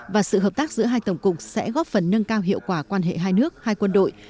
và sự hợp tác giữa hai tổng cục sẽ góp phần nâng cao hiệu quả quan hệ hai nước hai quân đội